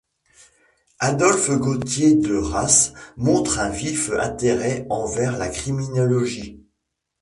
Adolphe Gautier de Rasse montre un vif intérêt envers la criminologie.